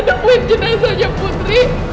nungguin jenazahnya putri